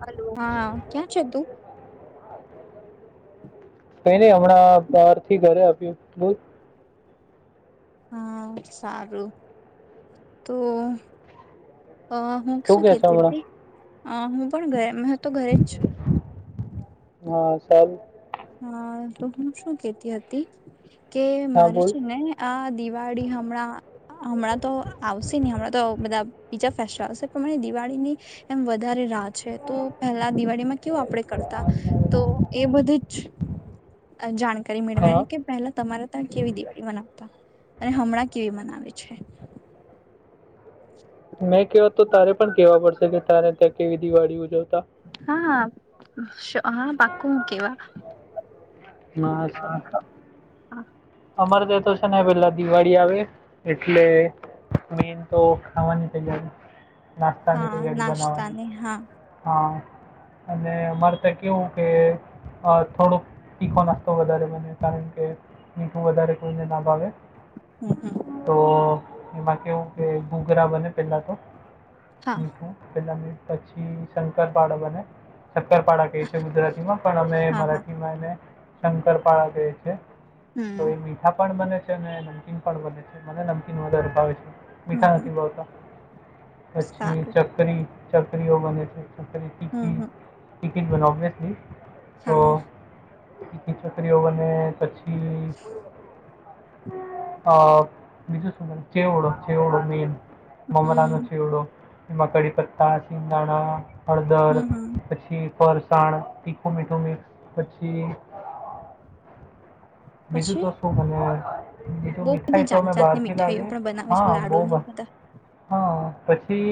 Hello હા ક્યાં છે તું કઈ ની હમણાં બહારથી ઘરે આપ્યું હા સારું તો હ હું તું શું કે છે કેતી હમણાં હતી હ હું પણ ગયા તો ઘરે જ છું. હા સારુ હા તો હું શું કેતી હતી કે હા મારે બોલ છે ને આ દિવાળી હમણાં હમણાં તો આવશે નહી હમણાં તો બધા બીજા ફેસ્ટિવલ પ્રમાણે દિવાળીની એમ વધારે રાહ છે તો પેલા દિવાળીમાં કેવું આપડે કરતા તો એ બધી અ જાણ કરી હા મેળવાની કે પેલા તમારા તા કેવી દિવાળી મનાવતા અને હમણાં કેવી મનાવે છે. મેં કેવા તો તારે પણ કેવા પડશે કે તારે ત્યાં કેવી દિવાળી ઉજવ હા શ હા પાકું હું કેવા હા સારું આ હા આ અમારે ત્યાં તો છે ને પેલા દિવાળી આવે એટલે મેન તો ખાવાની તૈયારી નાસ્તાની હા તૈયારી બનાવાની નાસ્તાની હા હા અને અમારે ત્યા કેવું કે અ થોડોક તીખો નાસ્તો વધારે બને કારણ કે મીઠું વધારે કોઈને ના ભાવે હમ હમ તો એમાં કેવું કે ઘૂઘરા બને પેલા તો હા મીઠું પેલા મી પછી શંકર પાડા બને શક્કરપાળા કહે છે ગુજરાતીમાં પણ અમે હા હા મરાઠીમાં એને શંકરપાળા કહે છે છે તો હમ એ મીઠા પણ બને છે ને નમકીન પણ બને છે મને નમકીન વધારે ભાવે છે. હમ મીઠા હમ નથી ભાવતા પછી સારું ચકરી ચકરીઓ બને છે ચકરી હમ તીખી હમ તીખી જ બનાવો ઓવેસ્લી હા તીખી ચકરીઓ બને પછી અ બીજું શું બને ચેવડો ચેવડો મેન મમરાનો હમ ચેવડો એમાં કડીપત્તા, સીંગદાણા હળદર હમ હમ પછી ફરસાણ તીખું મીઠું મિક્સ પછી બીજું પછી તો શું બને બીજું બહુ મીઠાઈ બધી તો જાત અમે જાતની બહારથી મીઠાઈઓ લાવીએ પણ બનાવે હા છે લાડુ ને બહુ બધા હા પછી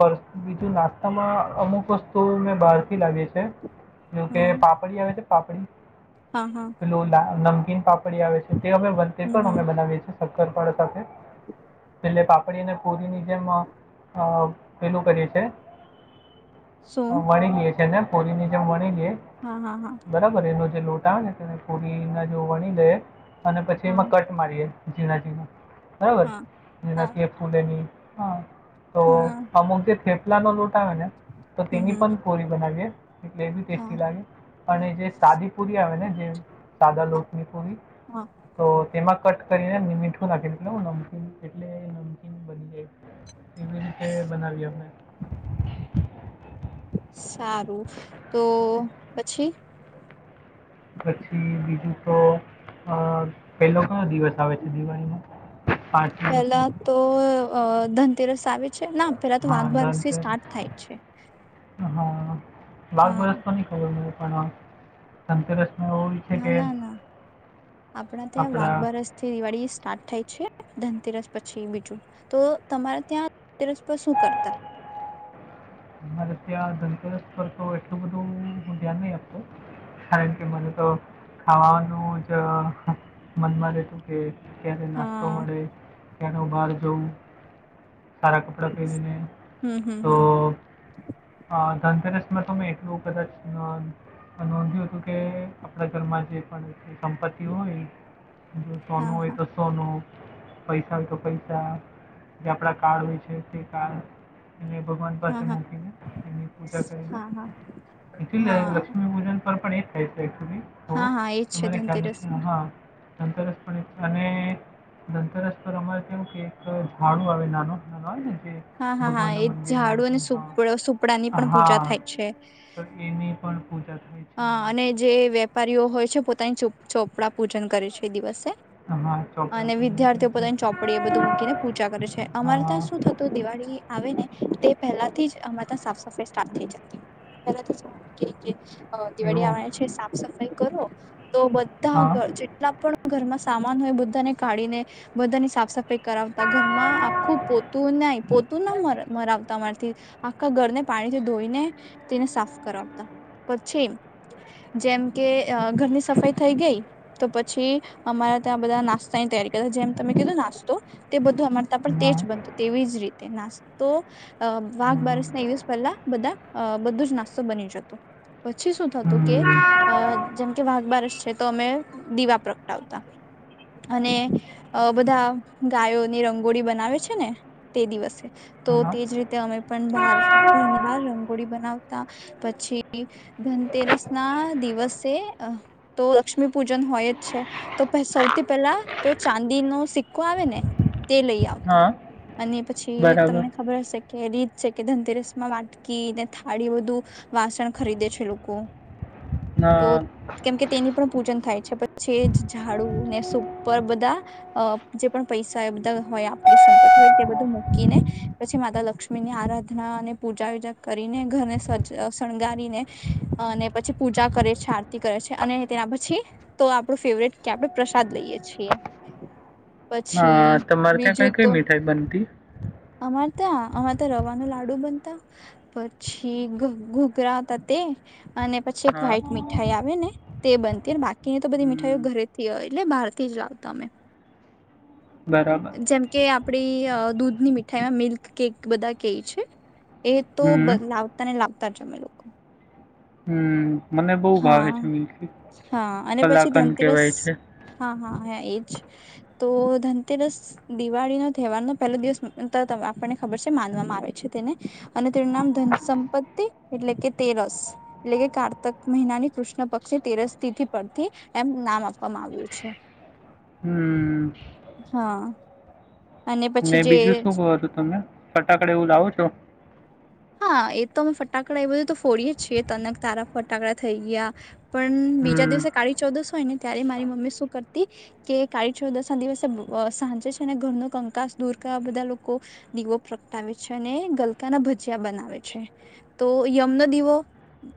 ફ બીજું નાસ્તામાં અમુક વસ્તુ મેં બહારથી લાવીએ છે. જો કે હા પાપડી આવે તો હા હા પાપડી લોલા નમકીન પાપ ડી આવે છે તે અમે તે હમ પણ હમ અમે બનાવીએ છીએ સક્રરપાડા સાથે પા પડી પૂરીની જેમ અ પેલું કરીએ છે. શું વણી લ્યે છે ને કોરીની જેમ વણી લ્યે હા હા હા બરાબર એનો જે લોટ [unintelligible] [unintelligible] અને પછી એમાં હા કટ મારીએ ઝીણા-ઝીણા બરાબર હા જેના હા કે ફૂલેની હા. તો હા અમુકે થેપ લાનો લોટ તો હમ તેની હમ પણ કોરી બનાવીએ. એટલે એ બી હા ટેસ્ટી લાગે અને જે સાદી પુરી આવે ને જે સાદા લોટની પૂરી હા તો તેમાં કટ ને મીઠું નાખી નમકીન એટલે નમકીન બની જાય. એવી રીતે બનાવીએ અમે સારું તો પછી પછી બીજું તો અ પેલો કયો દિવસ આવે છે દિવાળીનો પાંચ પેલા દિવસમાંથી તો અ ધનતેરસ આવે. છે ના પેલા તો હા વાઘબરથી સ્ટાર્ટ ધનતેરસ થાય છે. હા. વાઘ હા બારસ પણ ની ખબર મને ધનતેરસ ના ના ના આપણા ત્યાં વાઘ બારસ થી દિવાળી સ્ટાર્ટ થાય છે ધનતેરસ પછી બીજું તો તમારા ત્યાં તેરસ પર શું કરતા મારે ત્યાં ધનતેરસ પર તો એટલું બધું હું ધ્યાન નહી આપતો કારણ કે મને તો ખાવાનું જ મનમાં રહેતું કે ક્યારે નાસ્તો હા મળે ગનો બારજવ. સારા કપડા પહેનેને હમ હમ તો. હમ અ, ધનતેરસમાં તો મેં એટલું કદાચ નોંધ્યું હતું કે આપણા ઘરમાં જે પણ સંપત્તિ હોય. તનું હા હોય હા તો સનુંું. પૈસા તો પૈસા જે આપડા કાર હોય છે તે કાર એને ભગવાન. હા પાસે હા મૂકીને એની પૂજા કરીને હા હા હા. થ [unintelligible] હા હા એજ છે ધનતેરસ માં. હા. ધનતેરસ પર ની અને ધનતેરસ પર અમારે કેવું કે એક ઝાડું આવે નાનો નાનો આવે ને. જે હા હા હા એ ભગવાનના મંદિરમાં હોય ઝાડું. તો હા. સુપડા ની પણ પૂજા હા, થાય છે. તો એની પણ પૂજા થાય છે હ અમારે અને જે ત્યાં. વેપારીઓ હોય છે પોતાની ચુપ. ચોપડા પૂજન કરે છે એ દિવસે. હા, ચોપડા અને પૂજન કરે વિદ્યાર્થીઓ છે. પોતાની ચોપડી એ બધું મૂકીને પૂજા કરે છે અમારે ત્યાં હા, શું થતું દિવાળી આવે ને તે પહેલાથી જ. આ તો સાફ સફાઈ સ્ટાર્ટ થઈ જતી પેલા તો. હ દિવાળી એવું. આવવાના છે સાફ સફાઈ કરો. તો હા, બધા જેટલા પણ ઘરમાં. સામાન હોય બુધાને કાઢીને બધાની સાફ સફાઈ. કરાવતા ઘરમાં આખું પો. તું ન પોતું ના મરાવતા મારીથી આખા ઘરને પાણીથી ધોઈને તેને સાફ કરાવતા. પછી જેમ કે ઘરની સફાઈ થઈ ગઈ તો પછી અમારા ત્યાં બધા નાસ્તાની તૈયારી કરતા જેમ તમે કીધું નાસ્તો તે બધું અમાર ત્યાં પણ તેજ હા. બનતું તેવીજ રીતે નાસ્તો વાઘ હમ. બારસ ના દિવસ પહેલા બધા બધું જ નાસ્તો બની જતો. પછી શ થતું કે હમ. જેમ કે વાઘ બારસ છે તો અમે દીવા પ્રગટાવતા અને બધા ગાયોની રંગોળી બનાવે છે ને તે દિવસે તો હા. તેજ રીતે અમે પણ બહાર ઘરની બાર રંગોળી બનાવતા પછી. ધનતેરસ ના દિવસે તો લક્ષ્મી પૂજન હોય જ છે તો સૌથી પેલા તો ચાંદી નો સિક્કો આવે ને. તે લઈ આવતા હા, અને પછી બરાબર. તમને ખબર હશે. કે રત છે કે ધનતેરસ માં વાટકીને થાળી બધું વાસણ ખરીદે છે. ખાલૂક. [unintelligible] હમ [unintelligible] કેમકે તેની પણ પૂજન થાય છે પછી ઝાડુ ને સુર બધા જે પણ પૈસા હોય બધા હોય આપણી સંપત્તિ હોય તે બધું મૂકીને પછી માતા લક્ષ્મી ની આરાધના અને પૂજા વિજા કરીને ઘરને સ શણગારીને. અને પછી પૂજા કરે છે આરતી કરે છે અને તેના પછી તો આપડું ફેવરેટ કે આપણે પ્રસાદ લઈએ છીએ પ. હ તમારે ત્યાં કઈ કઈ મીઠાઈ બનતી. ત આમાં તો રવા ન લાડુ બનતા પછી ઘોઘરા ત. તે અને પછી એક હા. વ્હાઈટ મીઠાઈ આવે ને તે બનતી બાકીની તો બધી મીઠાઈઓ હમ ઘરેથી એટલે બહારથી જ લાવતા અમે. બરાબર જેમ કે આપ. આપડી દૂધની મીઠાઈમાં મિલ્ક કેક બધા કેઈ છે. એ તો હમ લાવતા ને લાવ. ત જમે લોકો હમ મને બહુ હા ભાવે છે મિલ્કી હા અને પછી કલાકંદ ધનતેરસ કહેવાય છે હા હા એ તો ધનતેરસ દિવાળી ન તહેવાર ન પહેલો દિવસ આપણને ખબર છે માનવામાં આવે છે તેને અને તેનું નામ ધન સંપત્તિ એટલે કે તેરસ એટલે કે કારત ક મહિનાની કૃષ્ણ પક્ષની તેરસ તિથિ પરથી એમ નામ આપવામાં આવ્યું છે હમ હા. અને ને પછી જે બીજું શું કું હતું તમે ફટાકડ એવું લાવો છો હા એ તો અમે ફટાકડા એ બધું તો ફોડીએ છીએ તનક તારા ફટાકડા થઈ ગયા પણ બીજા હમ દિવસે કાળી ચૌદસ હોય ને ત્યારે મારી મમ્મી શું કરતી કે કાળી ચૌદશ ના દિવસે સાંજે છે અને ઘરનો કંકાસ દૂર કરવા બધા લોકો દીવો પ્રગટાવે છે અને ગલકાના બધા જ બનાવે છે તો યમનો દીવો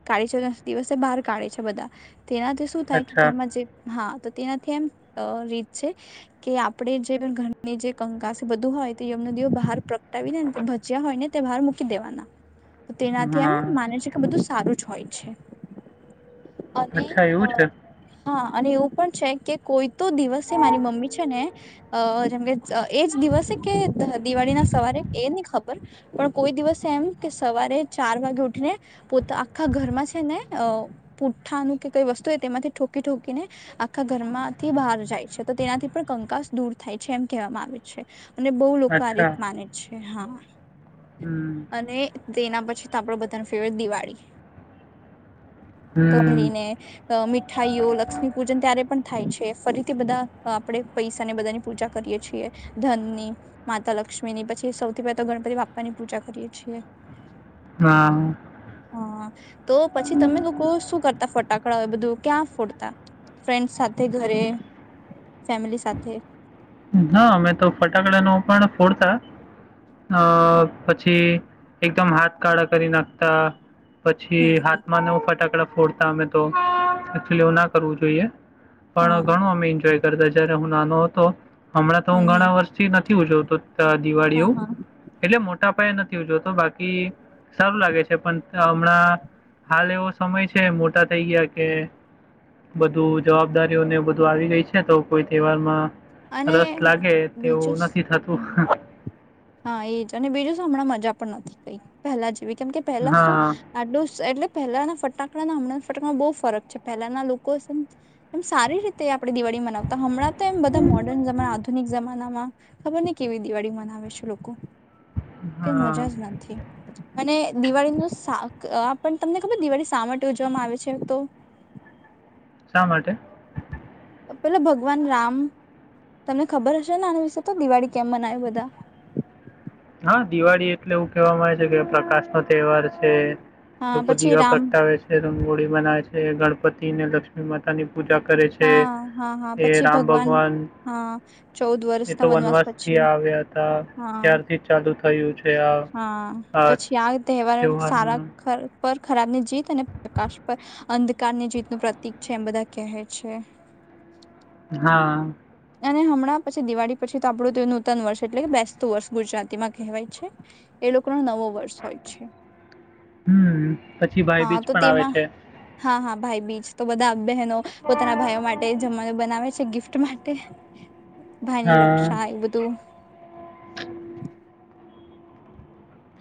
કાઢે છે દિવસે બહાર કાઢે છે બધા તેનાથી શું થાય કે અચ્છા ઘરમાં જે હા તો તેનાથી એમ રીત છે કે આપણે જે ઘરની જે કંકા છે બધું હોય તો એયમનો દેવ બહાર પ્રગટાવી ને ને ભજ્યા હોય ને તે બહાર મુક દેવાના તેનાથી હા એમ માને છે કે બધું સારું જ હોય છે. અને અચ્છા એવું અ છે હા અને એવું પણ છે કે કોઈ તો દિવસે મારી મમ્મી છે ને જેમ કે એજ દિવસે કે દિવાળીના સવારે એ નહી ખબર પણ કોઈ દિવસ એમ કે સવારે ચાર વાગે ઉઠીને પોતા આખા ઘરમાં છે ને અ પુ્ઠાનું કે કઈ વસ્તુ તેમાંથી ઠોકી ઠોકીને આખા ઘરમાંથી બહાર જાય છે તો તેનાથી પણ કંકાસ દૂર થાય છે એમ કહેવામાં આવે છે અને બહુ લોકો આ રીત અચ્છા માને છે. [inaudible] હમ અને તેના પછી આપડો બધા ન ફેવરટ દિવાળી હમ તોરીને મીઠાઈઓ લક્ષ્મી પૂજન ત્યારે પણ થાય છે ફરીથી બધા આપણે પૈસાને બધાની પૂજા કરીએ છીએ ધન ની માતા લક્ષ્મી ની પછી સૌથી પહેલા તો ગણપતિ બાપા ની પૂજા કરીએ છીએ [inaudible] હ તો પછી તમે લોકો શું કરતા ફટાકડા બધું ક્યાં ફોડતા ફ્રેન્ડ સાથે ઘરે ફેમિલી સાથે હા અમે તો ફટાકડા ન પણ ફોડતા અ પછી એકદમ હાથ કાળા કરી નાખતા પછી હમ હમ હાથમાં નવ ફટાકડા ફોડતા અમે તોચ એવું ના કરવું જોઈએ પણ હા ઘણું અમે એન્જોય કરતા જય્યારે હ નાનો હતો હમણાં તો હમ હું હમ ઘણા વર્ષથી નથી ઉજવતો દિવાળી હા એવું હા એટલે મોટા અાય નથી જોતો બાકી સારું લાગે છે પણ હમણાં હાલ એવો સમય છે મોટા થઈ ગયા કે બધું જવાબદારીઓને બધું આવી ગઈ છે તો કોઈ તહેવારમાં અને રસ લાગે બીજું તેવું નથી થતું. હમ હા એજ અને બીજું હમણાં મજા પણ નથી કઈ પહેલા જેવી કેમ કે પહેલા શું હા, આડું એટલે પહેલા ફટાકડાના હમણાં ફટાડામાં બહુ ફરક છે પહેલાના લોકો એમ સારી રીતે આપણે દિવાળી મનાવતા હમં તો એમ બધા મોર્ન જમાના આધુનિક જમાનામાં ખબર ને કેવી દિવાળી મનાવેશું [inaudible] કઈ મજા હા. જ નથી મ દિવાળી ન શાક પણ તમને ખબર દિવાળી શા માટે ઉજવામાં આવે છે તો શા માટે પેલા ભગવાન રામ તમને ખબર હશે ને આના વિશે તો દિવાળી કેમ મનાવે બધા હા દિવાળી એટલે એવું કેહેવામાં આવે છે કે પ્રકાશ નો તહેવાર છે. હા લોકો પછી દીવા રામ પ્રગટાવે છે રંગોળી બનાવે છે ગણપતિ ને લક્ષ્મી માતા ની પૂજા કરે છે હા હા હા એ પછી રામ ભગવાન હા ચૌદ એ વર્ષના તો વનવાસ થી પછી આવ્યા હતા હા ત્યારથી થયું છે આ હા પછી આ તહેવાર સારા ખર પર ખરાબની જીત અને પ્રકાશ પર અંધકારની જીતનું પ્રતિક છે એમ બધા કહે છે. હા અને હમણાં પછી દિવાળી પછી તો આપણું તો નૂતન વર્ષ એટલે બેસતું વર્ષ ગુજરાતીમાં કહેવાય છે એ લોકોનો નવો વર્ષ હોય છે. હમ પછી ભાઈ હા બીજ તો પણ આવે તેમાં છે. હા હા ભાઈ બીજ તો બધા બહેનો પોતાના ભાઈઓ માટે જમવાનું બનાવે છે. ગિફ્ટ મા તે ભાઈની હા. રક્ષા એ બધું [inaudible]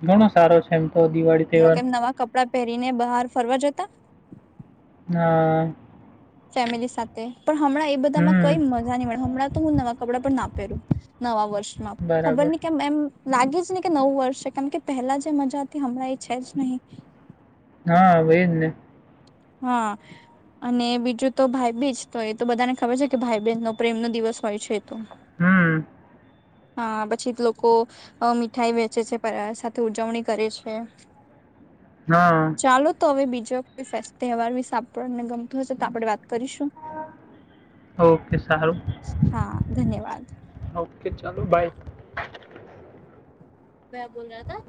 ઘણો સારો છે એમ તો દિવાળી તહેવાર પડા પેરી ને બહાર ફરવા જતા હા ફેમિલી સાથે પણ હમણાં એ બધામાંં હમ. કઈ મજા ની મળે હમણાં તો હું નવા કપડા પણ ના પેરુ નવા વર ષ માં ખબર બરાબર. ની કેમ એમ લાગે જ ની કે નવું વર્ષે છે કારણ કે પહેલા જે મજા હતી હમણાં એ છે જ નહીં હા અવે એજ ને હા અને બીજું તો ભાઈ બીજ તો એ તો બધાને ખબર છે કે ભાઈ બેન નો પ્રેમ નો દિવસ હોય છે તો હમ હા પછી તો લોકો અ મીઠાઈ વેચે છે પ અ સાથે ઉજવણી કરે છે. હા. ચાલો તો અવે બીજ ફેસ તહેવાર વિશે આપને ગમતું હશે તો આપણે વાત કરીશું ઓકે સારું હા ધન્યવાદ કે ચાલો બાાય મે બોલ રહા થા